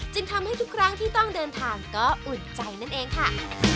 ทำให้ทุกครั้งที่ต้องเดินทางก็อุ่นใจนั่นเองค่ะ